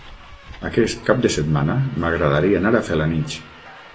Aquest cap de setmana m'agradaria anar a Felanitx.